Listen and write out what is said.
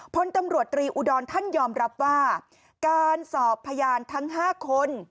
พลตำรวจตรีอุดรท่านยอมรับว่าการสอบพยานทั้ง๕คน